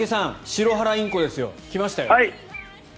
シロハラインコですよ来ましたよ。